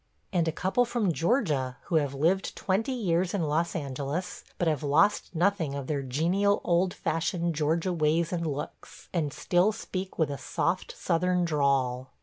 And a couple from Georgia, who have lived twenty years in Los Angeles, but have lost nothing of their genial old fashioned Georgia ways and looks, and still speak with a soft Southern drawl.